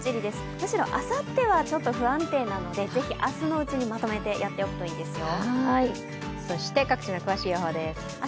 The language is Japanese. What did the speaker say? むしろあさってはちょっと不安定なのでぜひ明日のうちにまとめてやっておくといいですよ。